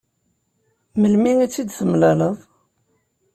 Melmi i tt-id-temlaleḍ?